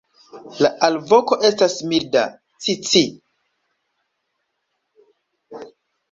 La alvoko estas milda "ci-ci".